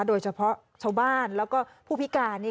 โดยเฉพาะชาวบ้านแล้วก็ผู้พิการ